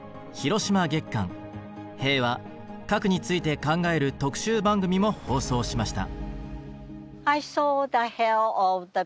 平和核について考える特集番組も放送しました。